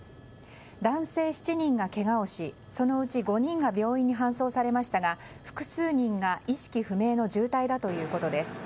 男性７人がけがをしそのうち５人が病院に搬送されましたが複数人が意識不明の重体だということです。